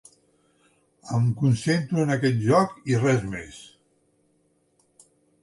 Em concentro en aquest joc i res més.